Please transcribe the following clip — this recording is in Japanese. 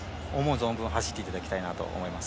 存分走っていただきたいなと思います。